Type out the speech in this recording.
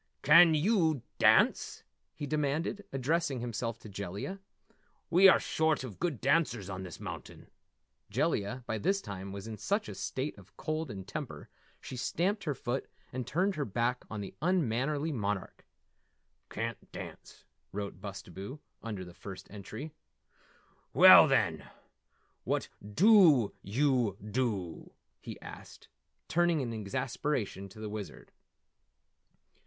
"Can yew dance?" he demanded, addressing himself to Jellia. "We are short of good dancers on this mountain." Jellia by this time was in such a state of cold and temper, she stamped her foot and turned her back on the unmannerly monarch. "Can't dance," wrote Bustabo under the first entry. "Well, then what dew yew dew?" he asked, turning in exasperation to the Wizard.